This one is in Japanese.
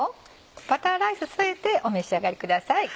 バターライス添えてお召し上がりください。